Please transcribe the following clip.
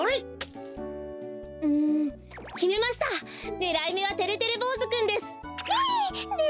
ねらいめはてれてれぼうずくんですひい！